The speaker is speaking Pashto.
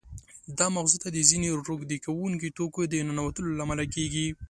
دا مغزو ته د ځینې روږدې کوونکو توکو د ننوتلو له امله کېږي.